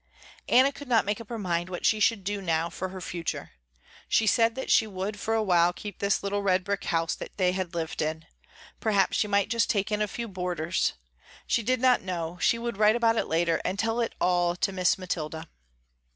Anna could not make up her mind what she should do now for her future. She said that she would for a while keep this little red brick house that they had lived in. Perhaps she might just take in a few boarders. She did not know, she would write about it later and tell it all to Miss Mathilda.